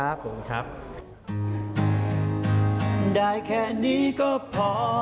แค่นี้ได้แค่นี้ก็พอ